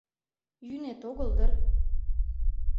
Йӱнет огыл дыр?